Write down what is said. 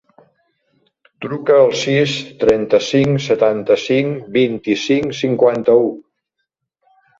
Truca al sis, trenta-cinc, setanta-cinc, vint-i-cinc, cinquanta-u.